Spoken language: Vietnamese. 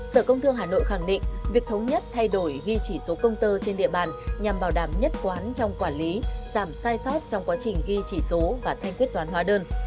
sở công thương hà nội khẳng định việc thống nhất thay đổi ghi chỉ số công tơ trên địa bàn nhằm bảo đảm nhất quán trong quản lý giảm sai sót trong quá trình ghi chỉ số và thanh quyết toán hóa đơn